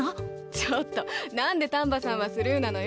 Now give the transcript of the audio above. ちょっとなんで丹波さんはスルーなのよ。